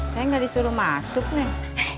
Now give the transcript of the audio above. saya nggak disuruh masuk nih